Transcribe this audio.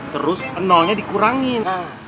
terus nolnya dikurangin